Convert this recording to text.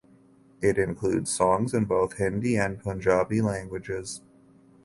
It includes songs in both Hindi and Punjabi languages.